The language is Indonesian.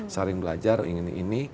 saling belajar ingin ini